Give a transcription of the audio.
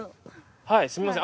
はいすみません。